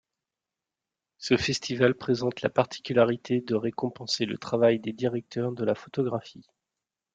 Ce festival présente la particularité de récompenser le travail des directeurs de la photographie.